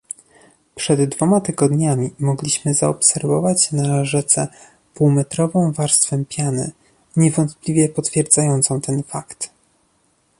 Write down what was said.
Przed dwoma tygodniami mogliśmy zaobserwować na rzece półmetrową warstwę piany, niewątpliwie potwierdzającą ten fakt